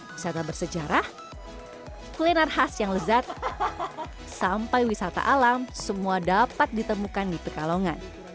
wisata bersejarah kuliner khas yang lezat sampai wisata alam semua dapat ditemukan di pekalongan